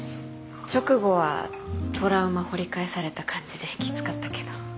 直後はトラウマ掘り返された感じできつかったけど。